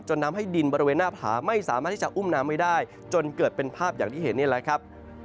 นำให้ดินบริเวณหน้าผาไม่สามารถที่จะอุ้มน้ำไม่ได้จนเกิดเป็นภาพอย่างที่เห็นนี่แหละครับ